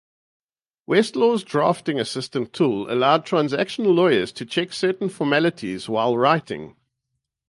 Westlaw's drafting assistant tool allows transactional lawyers to check certain formalities while writing.